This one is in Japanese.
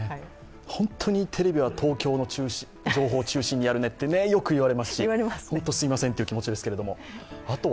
本当にテレビは東京の情報を中心にやるねってよく言われるし本当すみませんという感じですけど。